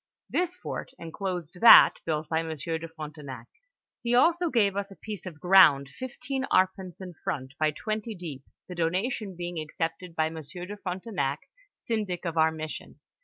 This fort enclosed that built by Monsieur de Frontenac. He also gave us a piece of ground fifteen arpents in front, by twenty deep, the donation being accepted by Monsieur de Frontenac, syndic of our mission.